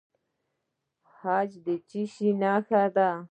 حج د څه نښه ده؟